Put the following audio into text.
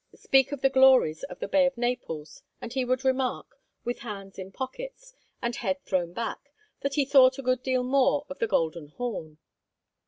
Speak of the glories of the Bay of Naples, and he would remark, with hands in pockets and head thrown back, that he thought a good deal more of the Golden Horn.